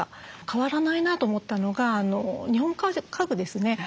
変わらないなと思ったのが日本家具ですね。